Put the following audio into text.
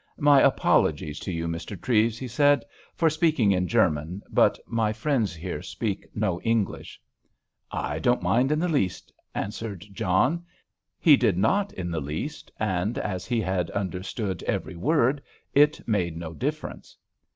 "My apologies to you, Mr. Treves," he said, "for speaking in German, but my friends here speak no English." "I don't mind in the least," answered John. He did not in the least, and as he had understood every word it made no difference.